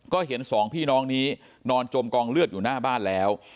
ก็เห็นสองพี่น้องนี้นอนจมกองเลือดอยู่หน้าบ้านแล้ว